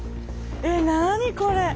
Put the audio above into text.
え何これ。